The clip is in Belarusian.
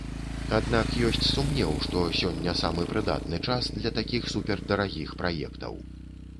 Аднак ёсць сумнеў, што сёння самы прыдатны час для такіх супердарагіх праектаў.